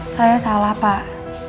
saya salah pak